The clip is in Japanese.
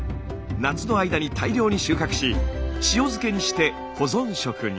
夏の間に大量に収穫し塩漬けにして保存食に。